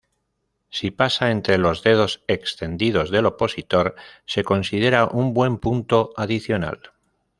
Si pasa entre los dedos extendidos del opositor se considera un "buen" punto adicional.